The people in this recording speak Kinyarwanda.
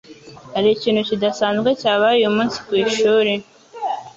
Hari ikintu kidasanzwe cyabaye uyu munsi kwishuri?